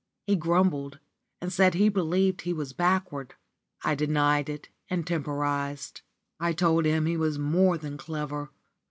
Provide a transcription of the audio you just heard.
He grumbled and said he believed he was backward. I denied it and temporised. I told him he was more than clever.